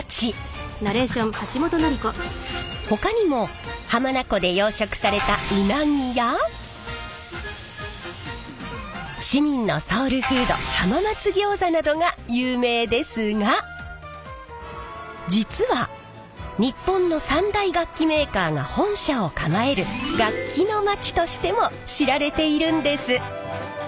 ほかにも浜名湖で養殖されたウナギや市民のソウルフード浜松餃子などが有名ですが実は日本の三大楽器メーカーが本社を構える楽器の町としても知られているんです。